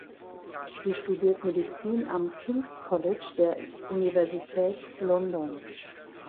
Sie studiert Medizin am King’s College der Universität London.